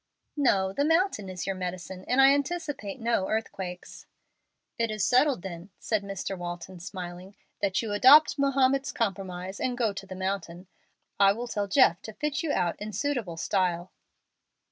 "No, the mountain is your medicine, and I anticipate no earthquakes." "It is settled then," said Mr. Walton, smiling, "that you adopt Mahomet's compromise and go to the mountain. I will tell Jeff to fit you out in suitable style."